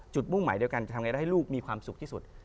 มุ่งหมายเดียวกันจะทำไงได้ให้ลูกมีความสุขที่สุด